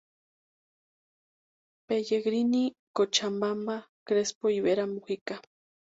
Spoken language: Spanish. Pellegrini, Cochabamba, Crespo y Vera Mujica.